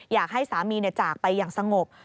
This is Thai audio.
อยากให้สามีจากไปอย่างสงบ